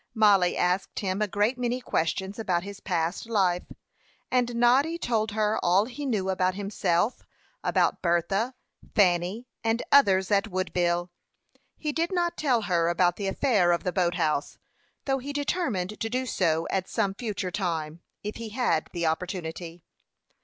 Mollie asked him a great many questions about his past life, and Noddy told her all he knew about himself about Bertha, Fanny, and others at Woodville. He did not tell her about the affair of the boat house, though he determined to do so at some future time, if he had the opportunity.